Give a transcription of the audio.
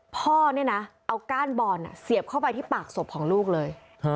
พ่อเนี่ยนะเอาก้านบอลเสียบเข้าไปที่ปากศพของลูกเลย